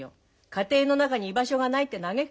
家庭の中に居場所がないって嘆くけど